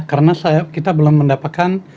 karena kita belum mendapatkan